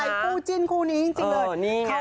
ถูกใจกว่าใจผู้จิ้นคู่นี้จริงเลย